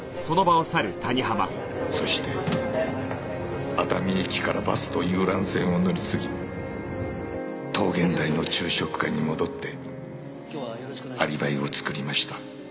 そして熱海駅からバスと遊覧船を乗り継ぎ桃源台の昼食会に戻ってアリバイを作りました。